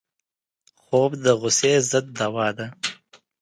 خوب د غصې ضد دوا ده